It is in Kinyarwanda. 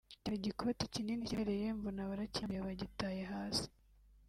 cyari igikoti kinini kiremereye mbona barakinyambuye bagitaye hasi